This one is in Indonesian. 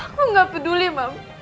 aku gak peduli mam